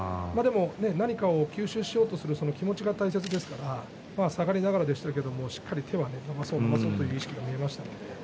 何かを吸収するという気持ちが大切ですから下がりながらでしたけどもしっかりと手を出そう出そうという意識が見えました。